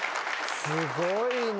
すごいね。